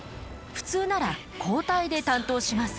普通なら交代で担当します。